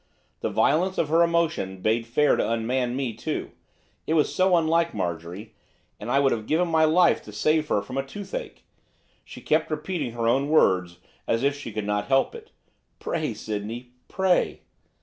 The violence of her emotion bade fair to unman me too. It was so unlike Marjorie, and I would have given my life to save her from a toothache. She kept repeating her own words, as if she could not help it. 'Pray, Sydney, pray!